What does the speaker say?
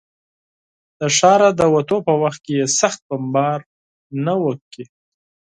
د ښاره د وتو په وخت کې یې سخت بمبار نه و کړی.